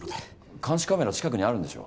監視カメラ近くにあるんでしょう？